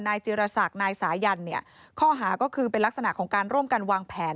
จิรศักดิ์นายสายันเนี่ยข้อหาก็คือเป็นลักษณะของการร่วมกันวางแผน